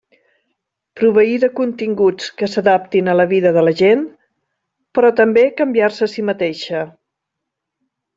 Proveir de continguts que s'adaptin a la vida de la gent, però també canviar-se a si mateixa.